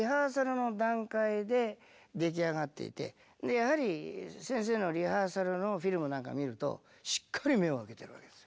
やはり先生のリハーサルのフィルムなんか見るとしっかり目を開けてるわけですよ。